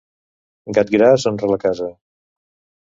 Gat gras honra la casa.